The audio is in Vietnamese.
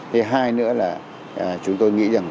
thế hai nữa là chúng tôi nghĩ rằng